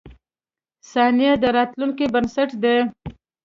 • ثانیه د راتلونکې بنسټ دی.